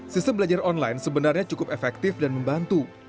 sistem belajar online sebenarnya cukup efektif dan membantu